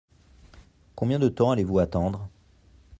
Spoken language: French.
Combien de temps allez-vous attendre ?